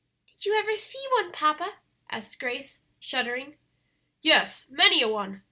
"Did you ever see one, papa?" asked Grace, shuddering. "Yes, many a one.